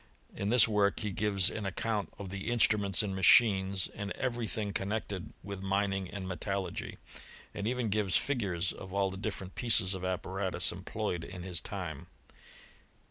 In this work he gives an account pff the instruments and machines, and every thing coi|jMi nected with mining and metallurgy; and even ghfii figures of all the different pieces of apparatus eoil^ ployed in his time.